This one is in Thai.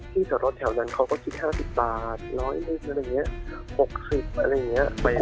ที่เถอะรถแถวนั้นเขาก็ทิ้ง๕๐บาท๑๐๐บาทอะไรอย่างนี้๖๐บาทอะไรอย่างนี้